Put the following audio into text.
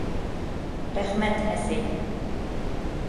Рәхмәт, әсәй.